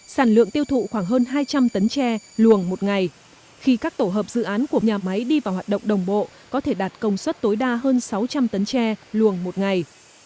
sản lượng tiêu thụ khoảng hơn hai trăm linh tấn tre luồng một ngày khi các tổ hợp dự án của nhà máy đi vào hoạt động đồng bộ có thể đạt công suất tối đa hơn sáu trăm linh tấn tre luồng một ngày